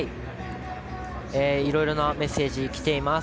いろいろなメッセージがきています。